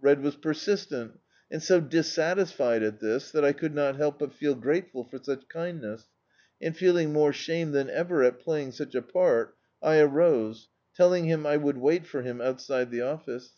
Red was persistent, and so dissatis fied at this that I could not help but feel grateful for sudi kindness, and, feeling more shame than ever at playing such a part, I arose, telling him I would wait for him outside the office.